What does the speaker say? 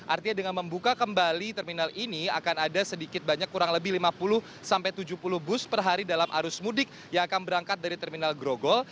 artinya dengan membuka kembali terminal ini akan ada sedikit banyak kurang lebih lima puluh sampai tujuh puluh bus per hari dalam arus mudik yang akan berangkat dari terminal grogol